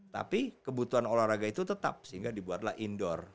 tapi kebutuhan olahraga itu tetap sehingga dibuatlah indoor